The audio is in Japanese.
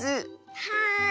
はい！